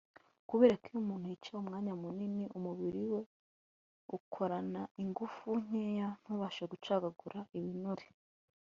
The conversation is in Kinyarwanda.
Kubera ko iyo umuntu yicaye umwanya munini umubiri we ukorana ingufu nkeya ntubashe gucagagura ibinure